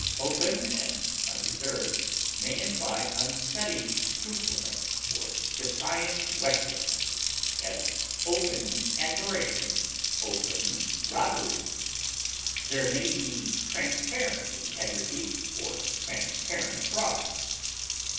Open and unreserved may imply unstudied truthfulness or defiant recklessness; as, open admiration, open robbery. There may be transparent integrity or transparent fraud.